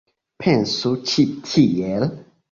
Pensu ĉi tiel.